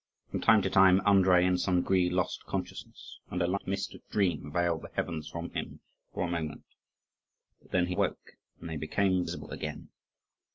From time to time Andrii in some degree lost consciousness, and a light mist of dream veiled the heavens from him for a moment; but then he awoke, and they became visible again.